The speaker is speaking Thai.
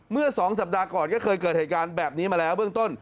เมื่อ๒สัปดาห์ก่อนก็เคยเกิดเหตุการณ์แบบนี้มาแล้วเบื้องต้น